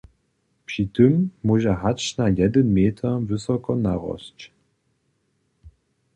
Při tym móže hač na jedyn meter wysoko narosć.